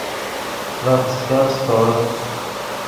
ڤے فسکف سیتور